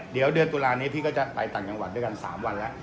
เดี๋ยวเดือนตุลานี้พี่ก็จะไปต่างจังหวัดด้วยกัน๓วันแล้ว